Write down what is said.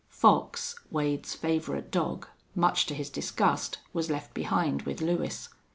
Fox, Wade's favorite dog, much to his disgust, was left behind with Lewis.